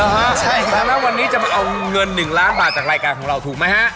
เหรอฮะถ้านะวันนี้จะมาเอาเงิน๑ล้านบาทจากรายการของเราถูกมั้ยฮะ